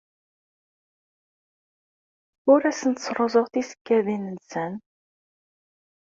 Ur asen-ttruẓuɣ tisekkadin-nsen.